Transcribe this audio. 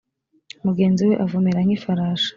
mugenzi we avumera nk ifarashi